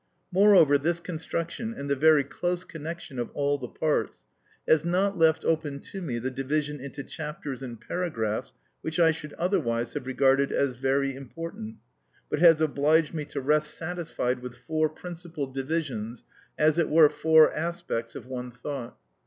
Moreover this construction, and the very close connection of all the parts, has not left open to me the division into chapters and paragraphs which I should otherwise have regarded as very important, but has obliged me to rest satisfied with four principal divisions, as it were four aspects of one thought.